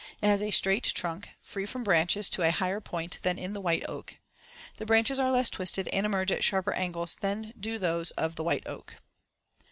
It has a straight trunk, free from branches to a higher point than in the white oak, see Fig. 94. The branches are less twisted and emerge at sharper angles than do those of the white oak.